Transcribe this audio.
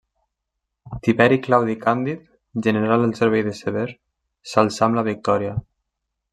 Tiberi Claudi Càndid, general al servei de Sever, s'alçà amb la victòria.